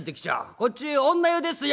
こっち女湯ですよ」。